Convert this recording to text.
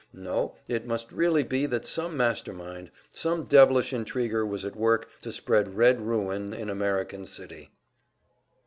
No, it must really be that some master mind, some devilish intriguer was at work to spread red ruin in American City!